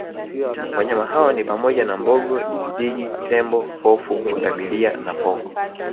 Wanyama hao ni pamoja na Mbogo Digidigi Tembo pofu Pundamilia na pongo